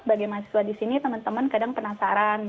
bagi mahasiswa di sini teman teman kadang penasaran